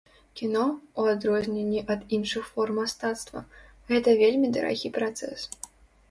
Кіно, у адрозненні ад іншых форм мастацтва, гэта вельмі дарагі працэс.